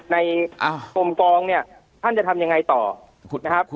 กรมกองเนี่ยท่านจะทำยังไงต่อนะครับ